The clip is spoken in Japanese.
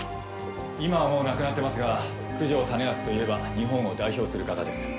今はもう亡くなってますが九条実篤といえば日本を代表する画家です。